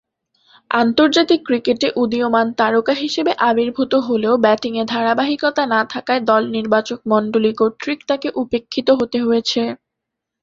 আন্তর্জাতিক ক্রিকেটে উদীয়মান তারকা হিসেবে আবির্ভূত হলেও ব্যাটিংয়ে ধারাবাহিকতা না থাকায় দল নির্বাচকমণ্ডলী কর্তৃক তাকে উপেক্ষিত হতে হয়েছে।